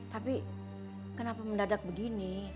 tapi kenapa mendadak begini